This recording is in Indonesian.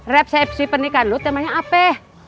repsa fc pernikahan lu temannya apa